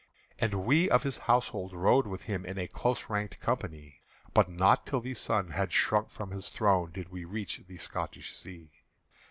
And we of his household rode with him In a close ranked company; But not till the sun had sunk from his throne Did we reach the Scotish Sea.